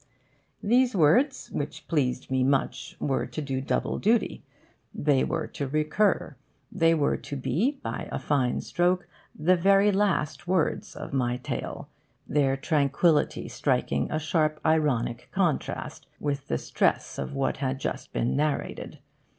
These words, which pleased me much, were to do double duty. They were to recur. They were to be, by a fine stroke, the very last words of my tale, their tranquillity striking a sharp ironic contrast with the stress of what had just been narrated.